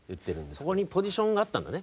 そこにポジションがあったんだね。